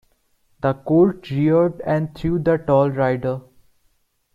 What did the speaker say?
The colt reared and threw the tall rider.